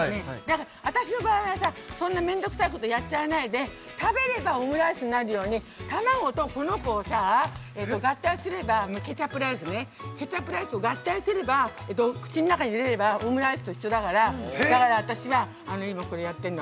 私の場合はさ、そんな面倒くさいこと、やっちゃわないで、食べれば、オムライスになるように、卵とこの子を合体すれば、ケチャップライスね、ケチャップライスを合体すれば、口の中に入れれば、オムライスと一緒だから、私は今これをやってるの。